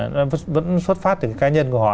nó vẫn xuất phát từ cá nhân của họ